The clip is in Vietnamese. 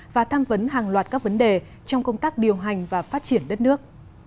chính hiệp đã bảo loạt các vấn đề trong công tác điều hành và phát triển đất nước